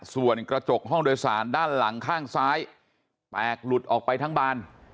ส่วนกระจกห้องโดยสารด้านหลังข้างซ้ายแตกหลุดออกไปทั้งบาน